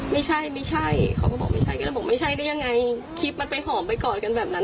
แล้วบอกไม่ใช่ได้ยังไงคลิปมันไปหอมไปกอดกันแบบนั้น